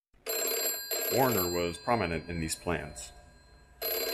Warner was prominent in these plans.